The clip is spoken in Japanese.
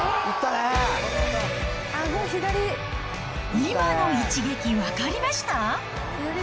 今の一撃、分かりました？